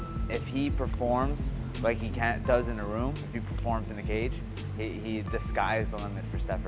jika dia berperan seperti dia berperan di ruang jika dia berperan di kaca itu adalah kebanyakan untuk steffer